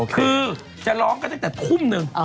คือจะร้องก็ได้แต่ครุ่มนึง